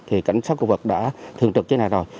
thì cảnh sát khu vực đã thường trực như thế này rồi